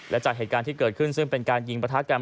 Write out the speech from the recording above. และจากเหตุการณ์ที่เกิดขึ้นซึ่งเป็นการยิงประทะกัน